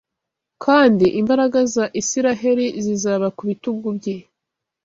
kandi imbaraga za Isiraheli zizaba ku bitugu bye